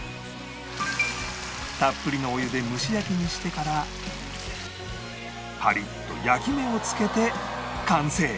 たっぷりのお湯で蒸し焼きにしてからパリッと焼き目をつけて完成